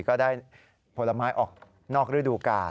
ก็ได้ผลไม้ออกนอกฤดูกาล